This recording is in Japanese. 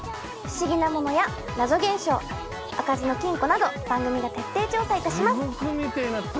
不思議なものや謎現象開かずの金庫など番組が徹底調査いたします。